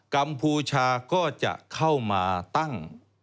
ัมพูชาก็จะเข้ามาตั้ง